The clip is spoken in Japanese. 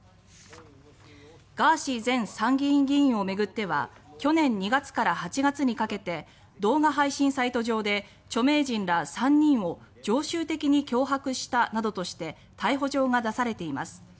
ガーシー前参議院議員を巡っては去年２月から８月にかけて動画配信サイト上で著名人ら３人を常習的に脅迫したなどとして逮捕状が出されています。